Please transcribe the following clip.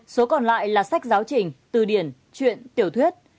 số còn lại là sách giáo trình từ điển chuyện tiểu thuyết